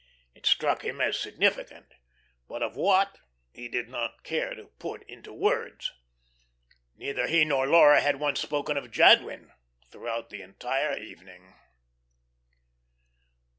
It struck him as significant; but of what he did not care to put into words. Neither he nor Laura had once spoken of Jadwin throughout the entire evening.